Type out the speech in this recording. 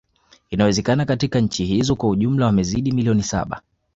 Inawezekana katika nchi hizo kwa jumla wamezidi milioni saba